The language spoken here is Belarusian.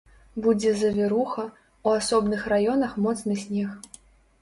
Будзе завіруха, у асобных раёнах моцны снег.